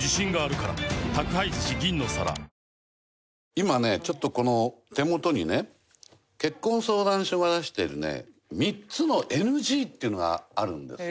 今ねちょっとこの手元にね結婚相談所が出してるね３つのＮＧっていうのがあるんですよ